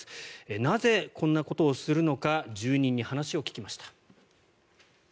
なぜ、こんなことをするのか住民に話を聞きました。